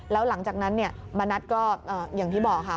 แล้วหลังจากนั้นเนี่ยมานัดก็เอ่ออย่างที่บอกค่ะ